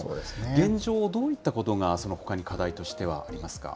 現状、どういったことがほかに課題としてはありますか。